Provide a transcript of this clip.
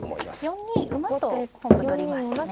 ４二馬と本譜取りましたね。